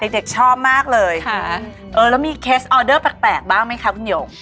เด็กชอบมากเลยแล้วมีเคสออเดอร์แปลกบ้างไหมคะคุณหยก